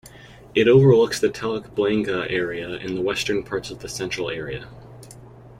It overlooks the Telok Blangah area, and the western parts of the Central Area.